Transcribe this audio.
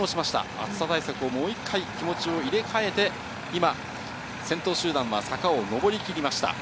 暑さ対策をもう一回、気持ちを入れ替えて、今、先頭集団は坂を上りきりました。